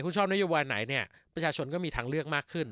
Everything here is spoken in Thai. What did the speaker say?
คุณชอบนโยบายไหนเนี่ยประชาชนก็มีทางเลือกมากขึ้น